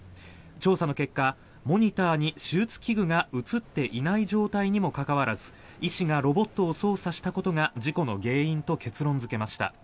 調査の結果、モニターに手術器具が映っていない状態にもかかわらず医師がロボットを操作したことが事故の原因だと結論付けました。